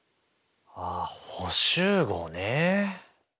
ああ補集合ね。